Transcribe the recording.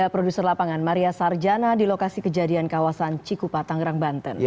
produser lapangan maria sarjana di lokasi kejadian kawasan cikupa tangerang banten